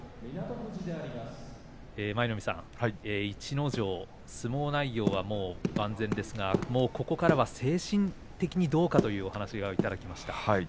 舞の海さん、逸ノ城は相撲内容はもう万全ですがここからは精神的にどうかというお話をいただきました。